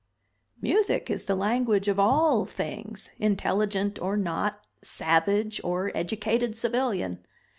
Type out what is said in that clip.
"Music is the language of all things intelligent or not, savage or educated civilian.